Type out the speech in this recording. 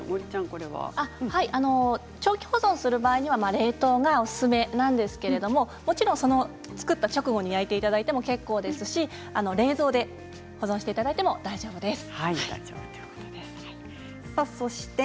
長期保存する場合は冷凍がおすすめなんですけれどももちろん作った直後に焼いていただいても結構ですし冷蔵で保存していただいても大丈夫です。